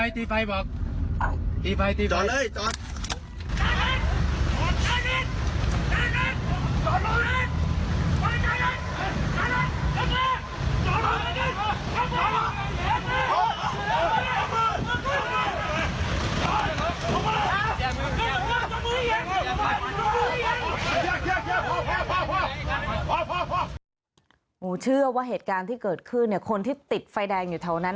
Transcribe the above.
ทราบแม่ทราบแมวทอดหลวงแมว